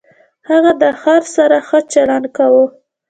هغه د خر سره ښه چلند کاوه.